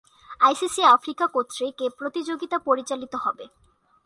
ICC Africa কর্তৃক এ প্রতিযোগিতা পরিচালিত হবে।